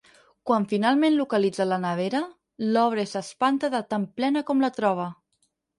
Quan finalment localitza la nevera l'obre i s'espanta de tan plena com la troba.